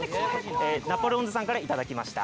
ナポレオンズさんから頂きました。